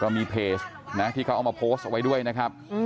มีเพจนะที่เขาเอามาโพสต์ไว้ด้วยนะครับ